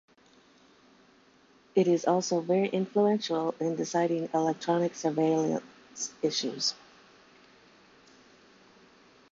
It is also very influential in deciding electronic surveillance issues.